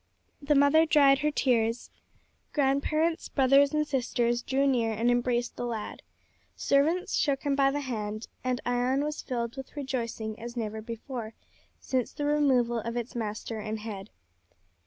The mother dried her tears; grandparents, brothers and sisters drew near and embraced the lad, servants shook him by the hand, and Ion was filled with rejoicing as never before since the removal of its master and head.